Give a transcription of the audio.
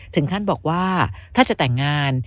ถึงขั้นบอกว่าถ้าจะแต่งงาน